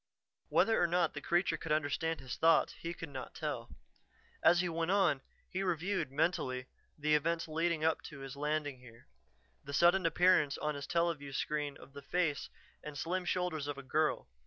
Whether or not the creature could understand his thoughts, he could not tell. As he went on, he reviewed, mentally, the events leading up to his landing here. The sudden appearance on his teleview screen of the face and slim shoulders of a girl.